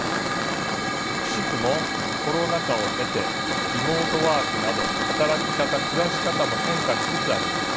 くしくもコロナ禍を経てリモートワークなど働き方暮らし方も変化しつつあります。